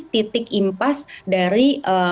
titik impas dari